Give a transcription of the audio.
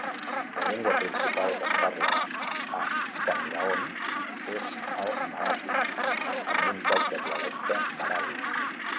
La llengua principal que es parla a Khamgaon és el marathi amb un toc de dialecte varhadi.